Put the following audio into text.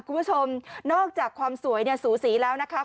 คุณผู้ชมนอกจากความสวยสูสีแล้วนะครับ